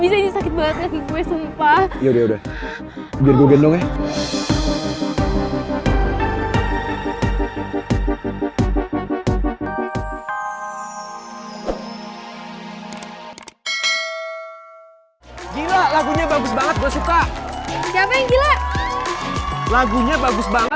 sampai jumpa di video selanjutnya